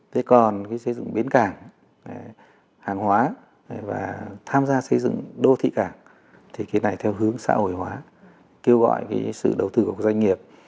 thế còn cái xây dựng bến cảng hàng hóa và tham gia xây dựng đô thị cảng thì cái này theo hướng xã hội hóa kêu gọi cái sự đầu tư của doanh nghiệp